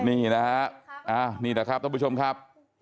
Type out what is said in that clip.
นี่นะครับนี่แหละครับทุกผู้ชมครับ